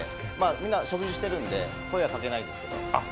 みんな食事しているんで、声はかけないですけど。